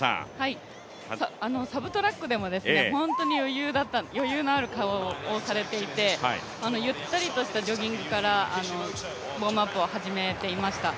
サブトラックでも本当に余裕のある顔をされていて、ゆったりとしたジョギングからウォームアップを始めていました。